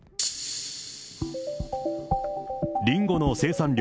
りんごの生産量